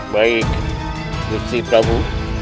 baik tusi prabu